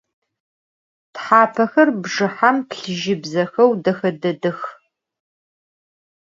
Thapexer bjjıhem plhıjıbzexeu dexe dedex.